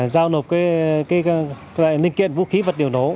giao nộp cái linh kiện vũ khí vật điều nổ